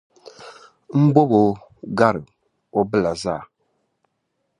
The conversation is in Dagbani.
N bɔbi n garo bila zali.